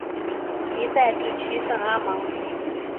皮赛地区圣阿芒。